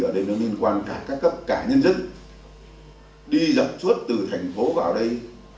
ở đây nó liên quan cả các cấp cả nhân dân đi lập suốt từ thành phố vào đây